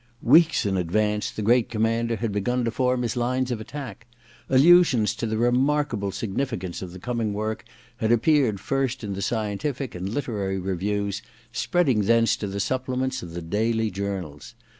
Weeks in advance the great commander had begun to form his lines of attack. Allusions to the remarkable significance of the coming work had appeared first in the scientific and literary reviews, spreading thence to the supplements of the daily journals.